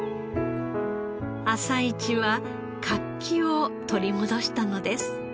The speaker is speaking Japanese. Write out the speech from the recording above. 朝市は活気を取り戻したのです。